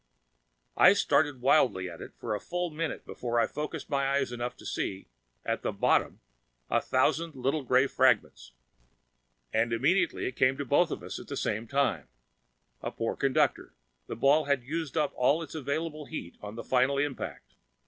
I stared wildly at it for a full minute before I focused my eyes enough to see, at the bottom, a thousand little gray fragments. And immediately it came to both of us at the same time. A poor conductor, the ball had used up all its available heat on that final impact.